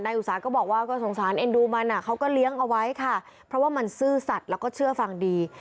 อุตสาหก็บอกว่าก็สงสารเอ็นดูมันอ่ะเขาก็เลี้ยงเอาไว้ค่ะเพราะว่ามันซื่อสัตว์แล้วก็เชื่อฟังดี